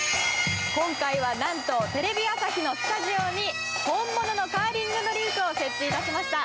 今回はなんとテレビ朝日のスタジオに本物のカーリングのリンクを設置いたしました。